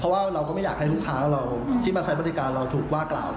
เพราะว่าเราก็ไม่อยากให้ลูกค้าเราที่มาใช้บริการเราถูกว่ากล่าว